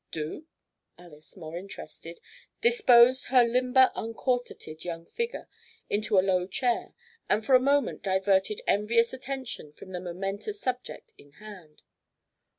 "Do?" Alys, more interested, disposed her limber uncorseted young figure into a low chair and for a moment diverted envious attention from the momentous subject in hand.